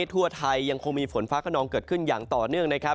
ทั่วไทยยังคงมีฝนฟ้าขนองเกิดขึ้นอย่างต่อเนื่องนะครับ